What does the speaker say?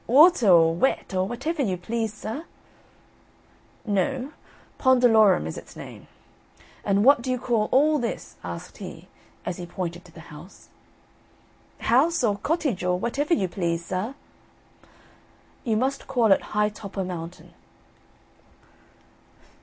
"Water or wet, or whatever you please, sir." "No, 'pondalorum' is its name. And what do you call all this?" asked he, as he pointed to the house. "House or cottage, or whatever you please, sir." "You must call it 'high topper mountain.'"